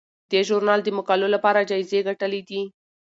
دې ژورنال د مقالو لپاره جایزې ګټلي دي.